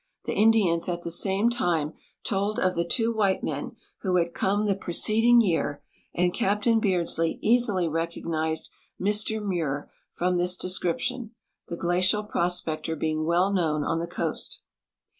The Indians at the same time told of the two white men who had come the preceding year, and Captain Beardslee easily recognized Mr Muir from this description, the glacial prospector being well known on the coast.